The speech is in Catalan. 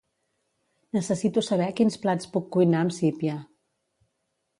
Necessito saber quins plats puc cuinar amb sípia.